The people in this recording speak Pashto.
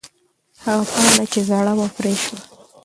هغه پاڼه چې زړه وه، پرې شوه.